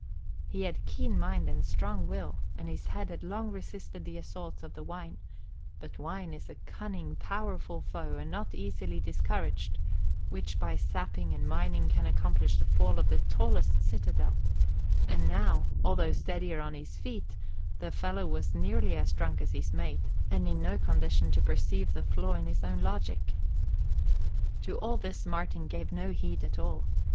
He had keen mind and strong will, and his head had long resisted the assaults of the wine; but wine is a cunning, powerful foe and not easily discouraged, which by sapping and mining can accomplish the fall of the tallest citadel; and now, although steadier on his feet, the fellow was nearly as drunk as his mate and in no condition to perceive the flaw in his own logic. To all this Martin gave no heed at all.